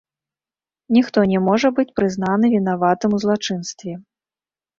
Ніхто не можа быць прызнаны вінаватым у злачынстве.